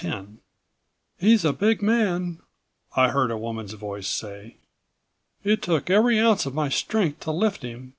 10 "He's a big man," I heard a woman's voice say. "It took every ounce of my strength to lift him.